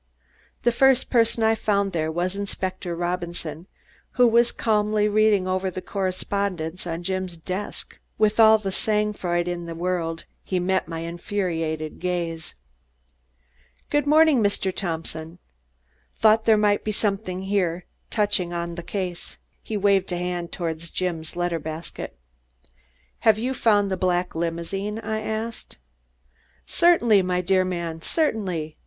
The first person I found there was Inspector Robinson, who was calmly reading over the correspondence on Jim's desk. With all the "sang froid" in the world, he met my infuriated gaze. "Good morning, Mr. Thompson. Thought there might be something here touching on the case." He waved a hand toward Jim's letter basket. "Have you found the black limousine?" I asked. "Certainly, my dear man, certainly!